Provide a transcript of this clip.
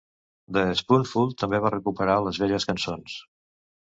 The Spoonful també va recuperar les velles cançons.